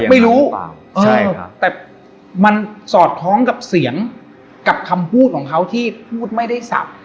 ไม่รู้ใช่แต่มันสอดคล้องกับเสียงกับคำพูดของเขาที่พูดไม่ได้สับ